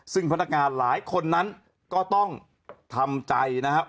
ซึ่งพนักงานหลายคนนั้นก็ต้องทำใจนะครับ